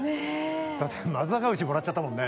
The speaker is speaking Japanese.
だって松阪牛もらっちゃったもんね。